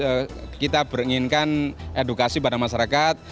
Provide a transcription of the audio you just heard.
hanya saja kita inginkan edukasi pada masyarakat